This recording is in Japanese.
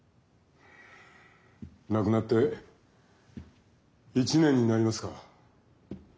亡くなって１年になりますか。